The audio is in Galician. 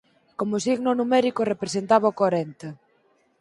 Como signo numérico representaba o corenta.